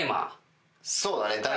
そうだね。